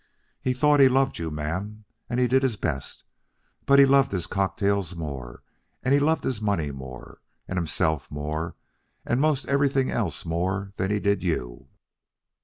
He thought he loved you, ma'am, and he did his best, but he loved his cocktails more, and he loved his money more, and himself more, and 'most everything else more than he did you.'